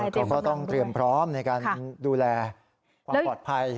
เขาก็ต้องเตรียมพร้อมในการดูแลความปลอดภัย